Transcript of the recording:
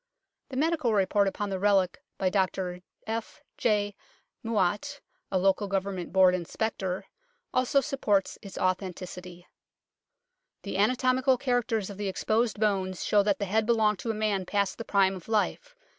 The medical report upon the relic by Dr F. J. Mouat, a Local Government Board Inspector, also supports its authenticity :" The anatomical characters of the exposed bones show that the head belonged to a man past the prime of life.